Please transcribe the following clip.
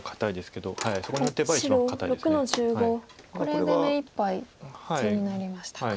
これで目いっぱい地になりましたか。